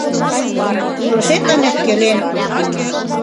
Илышетлан ӧпкелен.